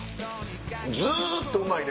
ずっとうまいね。